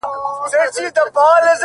د تاو تاو زلفو په کږلېچو کي به تل زه یم’